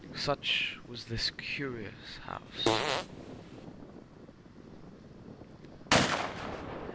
Such was this curious house.